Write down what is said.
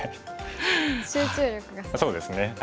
そうですね。